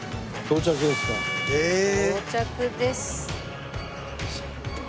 到着です。